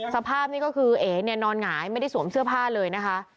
สภาพนี่ก็คือเอ๋เนี่ยนอนหงายไม่ได้สวมเสื้อผ้าเลยนะคะ